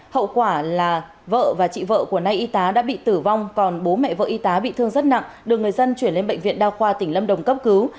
hậu quả là vợ và chị vợ của nay y tá đã bị tử vong còn bố mẹ vợ y tá bị thương rất nặng được người dân chuyển lên bệnh viện đa khoa tỉnh lâm đồng cấp cứu